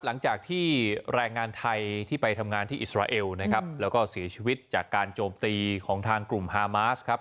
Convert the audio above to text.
หลังจากที่แรงงานไทยที่ไปทำงานที่อิสราเอลนะครับแล้วก็เสียชีวิตจากการโจมตีของทางกลุ่มฮามาสครับ